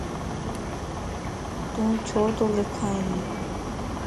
تون ڇو تو لکائين؟